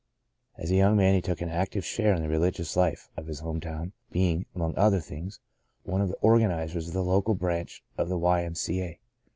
As a young man he took an active share in the religious life of his home town, being, among other things, one of the organizers of the local branch of the Y. M. C. A.